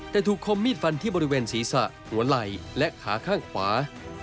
แต่ถูกคมมีดฟันที่บริเวณศีรษะหัวไหล่และขาข้างขวา